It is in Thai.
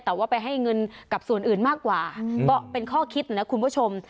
แต่ว่าไปให้เงินกับส่วนอื่นมากกว่าก็เป็นข้อคิดนะคุณผู้ชม